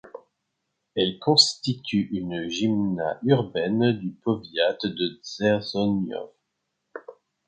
Elle constitue une gmina urbaine du powiat de Dzierżoniów.